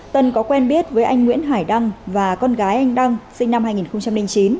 tân có quen biết với anh nguyễn hải đăng và con gái anh đăng sinh năm hai nghìn chín